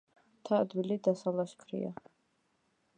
მთა ადვილი დასალაშქრია.